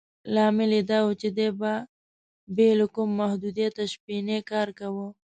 لامل یې دا و چې دې به بې له کوم محدودیته شپنی کار کاوه.